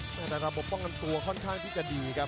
แต่ตอนปกป้องลำตัวค่อนข้างที่จะดีครับ